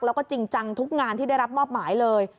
แล้วก็จริงจังทุกงานที่ได้รับมอบหมายเลย